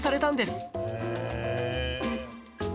へえ。